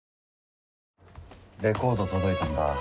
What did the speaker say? レコード届いたんだ